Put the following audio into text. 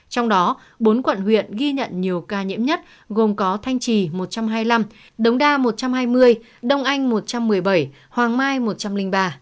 trong đó bốn quận huyện ghi nhận nhiều ca nhiễm nhất gồm có thanh trì một trăm hai mươi năm đống đa một trăm hai mươi đông anh một trăm một mươi bảy hoàng mai một trăm linh ba